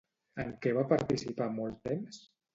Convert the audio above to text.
En què va participar molt temps?